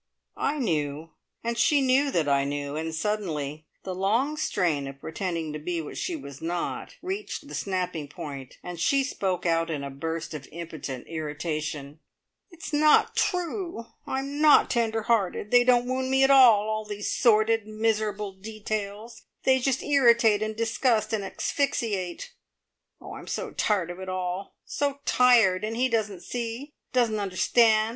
I knew, and she knew that I knew, and suddenly the long strain of pretending to be what she was not reached the snapping point, and she spoke out in a burst of impotent irritation: "It's not true! I'm not tender hearted. They don't wound me at all, all these sordid miserable details; they just irritate and disgust and asphyxiate. Oh, I'm so tired of it all so tired and he doesn't see, doesn't understand!